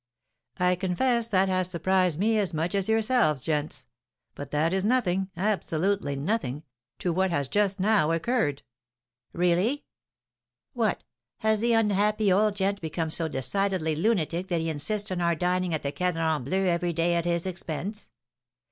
"I confess that has surprised me as much as yourselves, gents. But that is nothing absolutely nothing to what has just now occurred." "Really?" "What! has the unhappy old gent become so decidedly lunatic that he insists on our dining at the Cadran Bleu every day at his expense?"